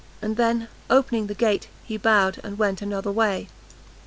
and then, opening the gate, he bowed, and went another way.